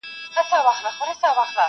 خلک خپل ژوند ته ځي تل.